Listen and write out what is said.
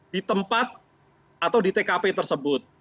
di tempat atau di tkp tersebut